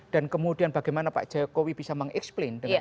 dan kemudian bagaimana pak jokowi bisa mengeksplain